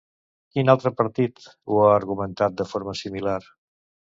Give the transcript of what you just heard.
Quin altre partit ho ha argumentat de forma similar?